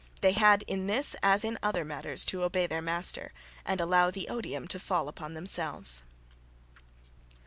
They had in this as in other matters to obey their master, and allow the odium to fall upon themselves.